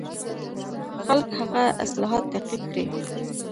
خلک هغه اصلاحات تعقیب کړي.